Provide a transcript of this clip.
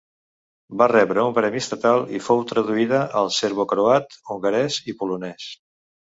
Va rebre un premi estatal, i fou traduïda al serbocroat, hongarès i polonès.